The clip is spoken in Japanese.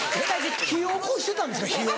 火おこしてたんですか火を。